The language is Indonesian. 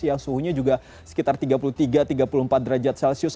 yang suhunya juga sekitar tiga puluh tiga tiga puluh empat derajat celcius